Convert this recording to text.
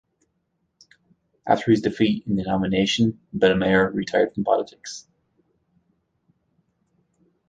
After his defeat in the nomination, Bellemare retired from politics.